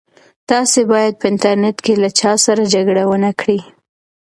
تاسي باید په انټرنيټ کې له چا سره جګړه ونه کړئ.